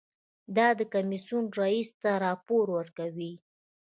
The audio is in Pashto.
دا د کمیسیون رییس ته راپور ورکوي.